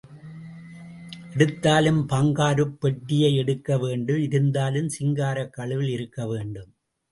எடுத்தாலும் பங்காருப் பெட்டியை எடுக்க வேண்டும் இருந்தாலும் சிங்காரக் கழுவில் இருக்க வேண்டும்.